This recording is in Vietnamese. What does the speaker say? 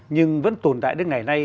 nhưng vẫn tồn tại đến ngày nay